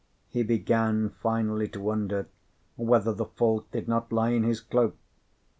He began finally to wonder whether the fault did not lie in his cloak.